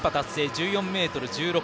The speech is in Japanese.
１４ｍ１６。